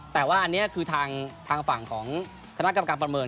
แต่ว่าอันนี้คือทางฝั่งของคณะกรรมการประเมิน